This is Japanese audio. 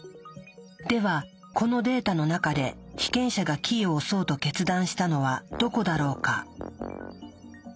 ではこのデータの中で被験者がキーを押そうと決断したのはどこだろうか？